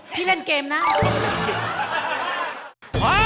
เล่นเกมนะ